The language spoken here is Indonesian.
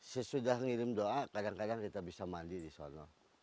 sesudah ngirim doa kadang kadang kita bisa mandi di sana